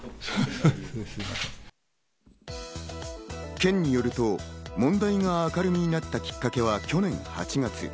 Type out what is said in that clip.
県によると、問題が明るみになったきっかけは去年８月。